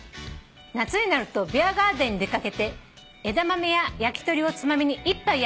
「夏になるとビアガーデンに出掛けて枝豆や焼き鳥をつまみに一杯やるのが楽しみです」